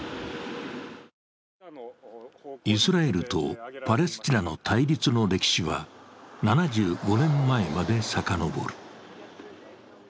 イスラエルとパレスチナの対立の歴史は７５年前までさかのぼる。